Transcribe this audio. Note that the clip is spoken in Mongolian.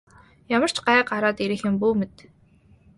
Ямар ч гай гараад ирэх юм бүү мэд.